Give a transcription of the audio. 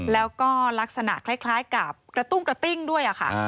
แล้วก็ลักษณะคล้ายกับกระตุ้งกระติ้งด้วยค่ะ